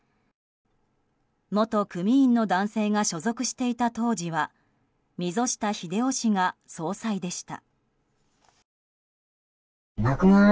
元組員の男性が所属していた当時は溝下秀男氏が総裁でした。